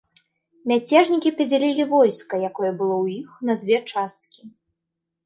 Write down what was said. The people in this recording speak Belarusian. Мяцежнікі падзялілі войска, якое было ў іх, на дзве часткі.